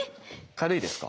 軽いですか？